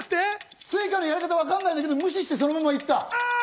Ｓｕｉｃａのやり方、わかんなかったけど無視して、そのまま行った。